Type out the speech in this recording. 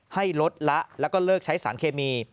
ให้ลดละแล้วก็เลิกใช้สารเคมี